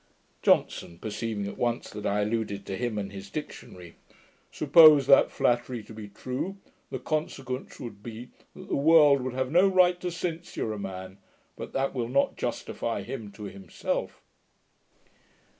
JOHNSON (perceiving at once that I alluded to him and his Dictionary). 'Suppose that flattery to be true, the consequence would be, that the world would have no right to censure a man; but that will not justify him to himself.'